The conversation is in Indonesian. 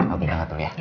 aku bintang katul ya